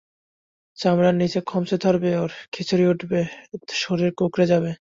চামড়ার নিচে খামচে ধরবে ওর, খিঁচুনি উঠবে, শরীর কুঁকড়ে যাবে।